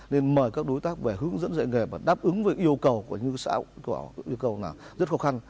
nên mời các đối tác về hướng dẫn dạy nghề và đáp ứng với yêu cầu của những sản xuất rất khó khăn